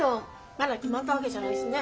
まだ決まったわけじゃないしね。